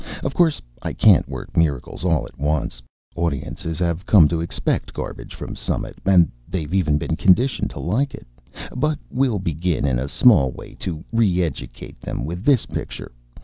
Of course I can't work miracles all at once. Audiences have come to expect garbage from Summit, and they've even been conditioned to like it. But we'll begin in a small way to re educate them with this picture.